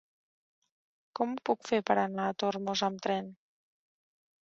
Com ho puc fer per anar a Tormos amb tren?